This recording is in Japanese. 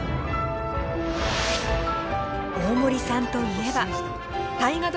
大森さんといえば大河ドラマ